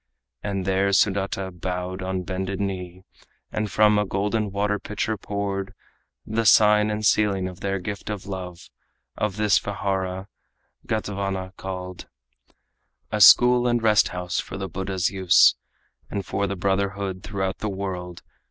And there Sudata bowed on bended knee, And from a golden pitcher water poured, The sign and sealing of their gift of love Of this vihara, Gatavana called, A school and rest house for the Buddha's use, And for the brotherhood throughout the world.